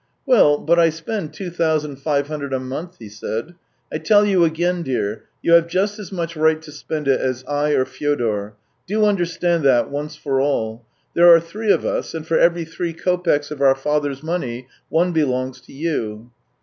" Well, but I spend two thousand five hundred a month," he said. " I tell you again, dear: you have just as much right to spend it as I or Fyodor. Do understand that, once for all. There are three of us, and of every three kopecks of our father's money, one belongs to you."